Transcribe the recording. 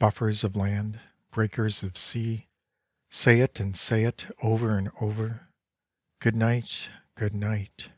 Buffers of land, breakers of sea, say it and say it, over and over, good night, good night.